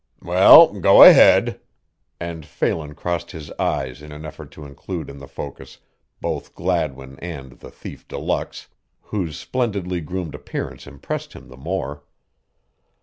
"Well, go ahead." And Phelan crossed his eyes in an effort to include in the focus both Gladwin and the thief de luxe, whose splendidly groomed appearance impressed him the more.